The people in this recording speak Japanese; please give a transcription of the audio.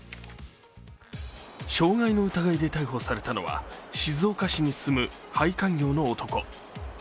傷害の疑いで逮捕されたのは静岡県葵区に住む配管業の男。